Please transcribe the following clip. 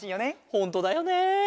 ほんとだよね！